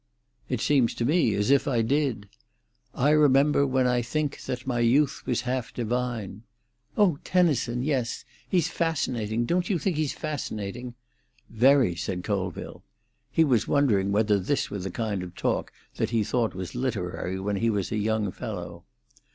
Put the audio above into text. "It seems to me as if I did." "'I remember, when I think, That my youth was half divine.'" "Oh, Tennyson—yes! He's fascinating. Don't you think he's fascinating?" "Very," said Colville. He was wondering whether this were the kind of talk that he thought was literary when he was a young fellow.